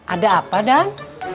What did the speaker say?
ada apa dan